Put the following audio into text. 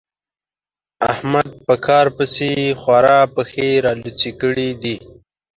احمد په کار پسې خورا پښې رالوڅې کړې دي.